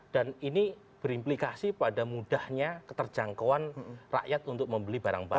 dan ini berimplikasi pada mudahnya keterjangkauan rakyat untuk membeli barang barang